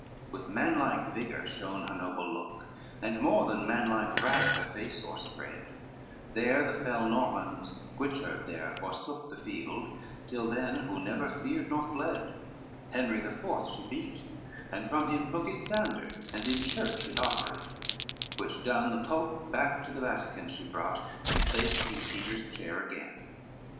LXXVIII With manlike vigor shone her noble look, And more than manlike wrath her face o'erspread, There the fell Normans, Guichard there forsook The field, till then who never feared nor fled; Henry the Fourth she beat, and from him took His standard, and in Church it offered; Which done, the Pope back to the Vatican She brought, and placed in Peter's chair again.